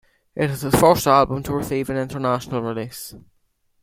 It is his first album to receive an international release.